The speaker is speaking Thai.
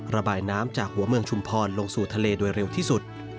ระบายน้ำจากหัวเมืองชุมพรลงสู่ทะเลโดยเร็วที่สุด